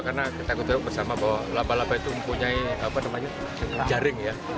karena kita ketemu bersama bahwa laba laba itu mempunyai jaring